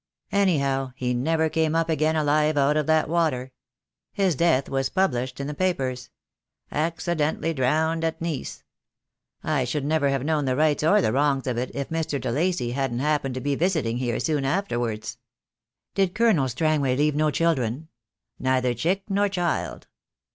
Anyhow, he never came up again alive out of that water. His death was published in the papers: 'Accidentally drowned at Nice.' I should never have known the rights or the wrongs of it if Mr. de Lacy hadn't happened to be visiting here soon after wards." "Did Colonel Strangway leave no children?" "Neither chick nor child."